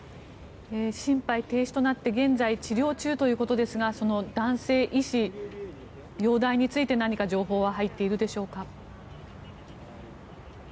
心肺停止となって現在、治療中ということですが男性医師、容体について何か情報は入っているでしょうか？